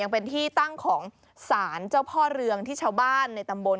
เป็นที่ตั้งของสารเจ้าพ่อเรืองที่ชาวบ้านในตำบล